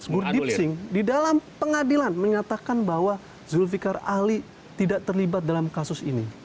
budipsing di dalam pengadilan menyatakan bahwa zulfiqar ali tidak terlibat dalam kasus ini